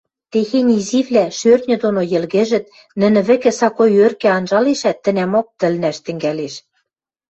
Техень изивлӓ, шӧртньӹ доно йӹлгӹжӹт, нӹнӹ вӹкӹ сакой ӧркӹ анжалешӓт, тӹнӓмок тӹлнӓш тӹнгӓлеш.